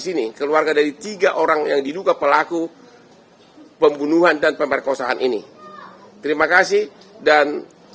sini keluarga dari tiga orang yang diduga pelaku pembunuhan dan pemerkosaan ini terima kasih dan